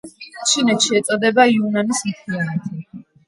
ჩინეთში ეწოდება იუნანის მთიანეთი.